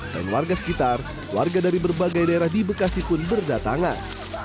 dan warga sekitar warga dari berbagai daerah di bekasi pun berdatangan